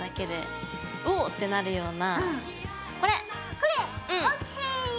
これ！ＯＫ。